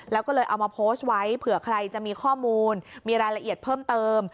แล้วก็เลยเอามาโพสต์ไว้เผื่อใครจะมีข้อมูลมีรายละเอียดเพิ่มเติม